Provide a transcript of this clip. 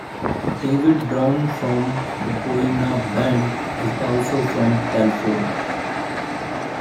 David Brown from Boyinaband is also from Telford.